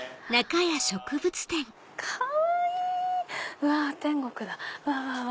うわ天国だうわわわわ！